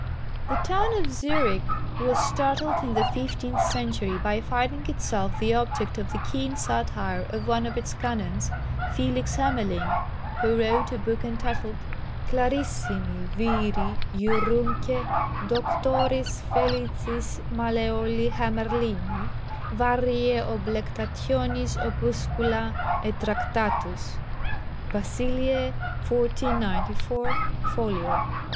The town of Zürich was startled in the fifteenth century by finding itself the object of the keen satire of one of its canons, Felix Hemmerlin, who wrote a book entitled Clarissimi viri jurumque Doctoris Felicis Malleoli Hemmerlini variae oblectationis Opuscula et Tractatus (Basileae, 1494, folio).